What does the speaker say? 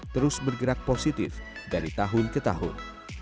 terus bergerak positif dari tahun ke tahun